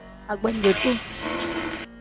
Agbanjo-duu.